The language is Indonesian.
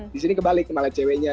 disini kebalik malah ceweknya